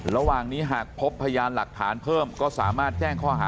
ระหว่างนี้หากพบพยานหลักฐานเพิ่มก็สามารถแจ้งข้อหา